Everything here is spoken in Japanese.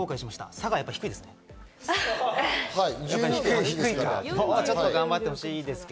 佐賀はやっぱり低いですね。